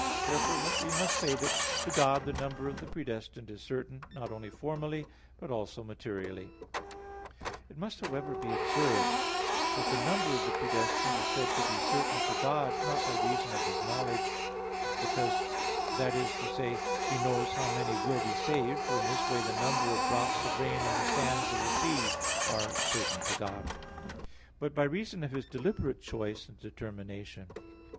6). Therefore we must say that to God the number of the predestined is certain, not only formally, but also materially. It must, however, be observed that the number of the predestined is said to be certain to God, not by reason of His knowledge, because, that is to say, He knows how many will be saved (for in this way the number of drops of rain and the sands of the sea are certain to God); but by reason of His deliberate choice and determination.